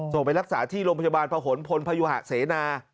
ส่งไปรักษาที่โรงพยาบาลพหนภนภยุภาเสนา